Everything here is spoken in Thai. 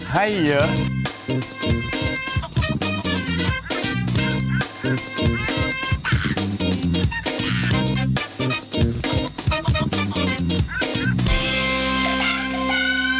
ไข่เยอะ